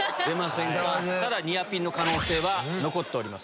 ただニアピンの可能性は残っております。